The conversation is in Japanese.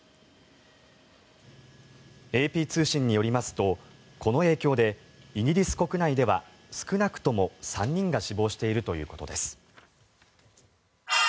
ＡＰ通信によりますとこの影響でイギリス国内では少なくとも３人が死亡しているということです。